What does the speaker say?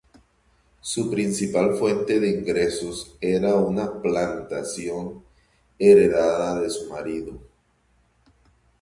Su principal fuente de ingresos era una plantación heredada de su marido.